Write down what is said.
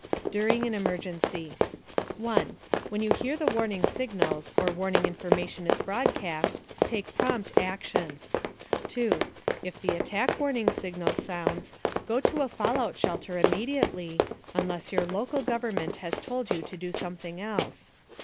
DURING AN EMERGENCY 1. When you hear the warning signals, or warning information is broadcast, take prompt action. 2. If the Attack Warning Signal sounds, go to a fallout shelter immediately (unless your local government has told you to do something else).